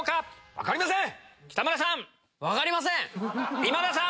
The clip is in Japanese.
分かりません。